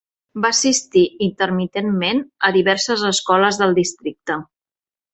Va assistir intermitentment a diverses escoles del districte.